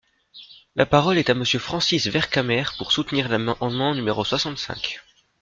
La parole est à Monsieur Francis Vercamer, pour soutenir l’amendement numéro soixante-cinq.